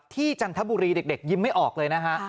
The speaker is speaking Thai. จันทบุรีเด็กยิ้มไม่ออกเลยนะฮะ